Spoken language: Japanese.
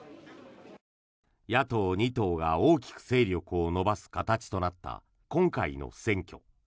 野党２党が大きく勢力を伸ばす形となった今回の選挙。